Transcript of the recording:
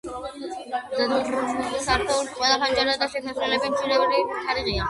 სართულის ყველა ფანჯარა და შესასვლელები მშვილდისებრი თაღითაა დასრულებული, ოთახები გადახურულია ბრტყელი ჭერით.